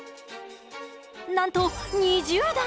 なんと２０段！